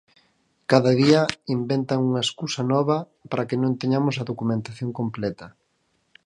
Cada día inventan unha escusa nova para que non teñamos a documentación completa.